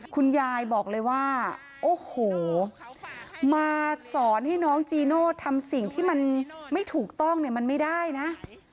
คุณยายบอกเลยว่าโอ้โหมาสอนให้น้องจีโน่ทำสิ่งที่มันไม่ถูกต้องเนี่ยมันไม่ได้นะ